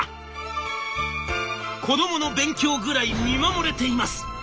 「子供の勉強ぐらい見守れています」。